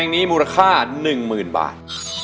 เพลงนี้มูลค่า๑หมื่นบาท